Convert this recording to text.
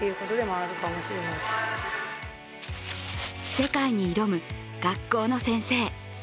世界に挑む学校の先生。